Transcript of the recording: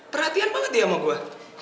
perhatian banget dia sama gue